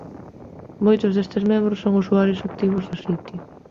Moitos destes membros son usuarios activos do sitio.